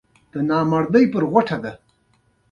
ایا تاسو د ماشومانو ډاکټر یاست؟